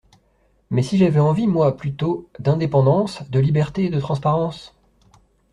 Mais si j’avais envie, moi, plutôt, d’indépendance, de liberté, de transparence?